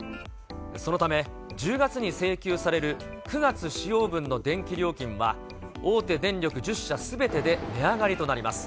そのため、１０月に請求される９月使用分の電気料金は、大手電力１０社すべてで値上がりとなります。